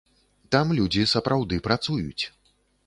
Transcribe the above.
Там людзі сапраўды працуюць.